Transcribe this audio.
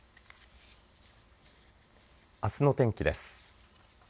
あすの天気です。